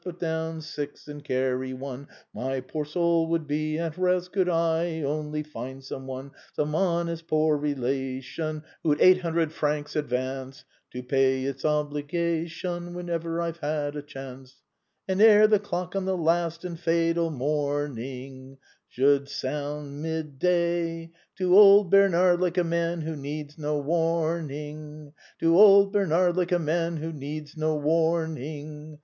Put down six and carry one; My poor soul would be at rest Could I only find some one, Some honest poor relation, Who'd eight hundred francs advance. To pay each obligation. Whenever I've a chance. Chorus. And ere the clock on the last and fatal morning Should sound mid day. To old Bernard, like a man who needs no warning. To old Bernard, like a man who needs no warning.